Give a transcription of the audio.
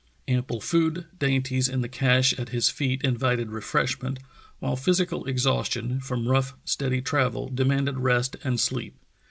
Ample food dainties in the cache at his feet invited refreshment, while physical exhaus tion, from rough, steady travel, demanded rest and sleep.